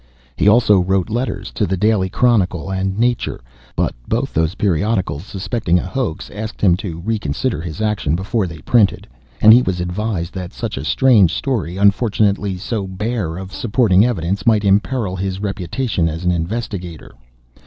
He also wrote letters to The Daily Chronicle and Nature, but both those periodicals, suspecting a hoax, asked him to reconsider his action before they printed, and he was advised that such a strange story, unfortunately so bare of supporting evidence, might imperil his reputation as an investigator.